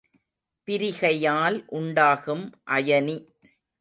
பிரிகையால் உண்டாகும் அயனி.